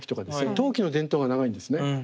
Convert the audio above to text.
陶器の伝統が長いんですね。